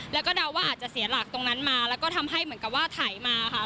แล้วก็เดาว่าอาจจะเสียหลักตรงนั้นมาแล้วก็ทำให้เหมือนกับว่าไถมาค่ะ